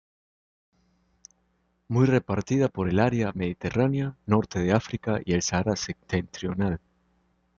Muy repartida por el área mediterránea, norte de África y el Sahara septentrional.